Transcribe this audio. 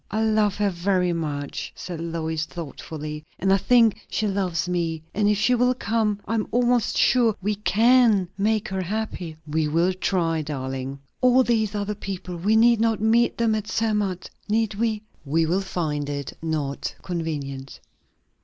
"I love her very much," said Lois thoughtfully, "and I think she loves me. And if she will come I am almost sure we can make her happy." "We will try, darling." "And these other people we need not meet them at Zermatt, need we?" "We will find it not convenient."